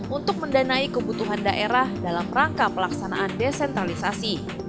untuk mendanai kebutuhan daerah dalam rangka pelaksanaan desentralisasi